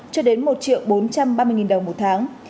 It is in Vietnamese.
cho đến một triệu bốn trăm ba mươi đồng một tháng